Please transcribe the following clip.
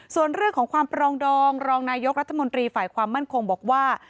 ส่วนเรื่องของความปรองดองรองนายกรัฐมนตรีฝ่ายความมั่นคงบอกว่า